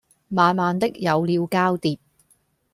慢慢的有了交疊